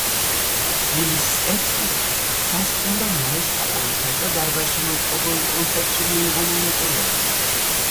თბილისს ეწვია და სასტუმრო „ნოეს“ საკონცერტო დარბაზში მოწყობილ კონცერტში მიიღო მონაწილეობა.